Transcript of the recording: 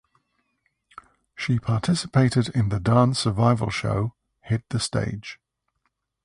She participated in the dance survival show "Hit the Stage".